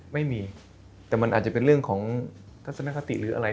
ไม่มีแต่มันอาจจะเป็นเรื่องของทัศนคติหรืออะไร